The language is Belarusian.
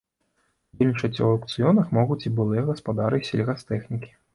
Удзельнічаць у аўкцыёнах могуць і былыя гаспадары сельгастэхнікі.